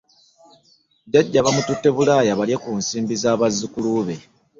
Jajja bamutute bulaaya balye ku nsimbi za bazzukulu be.